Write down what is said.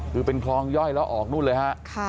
คือเป็นคลองย่อยแล้วออกนู่นเลยฮะ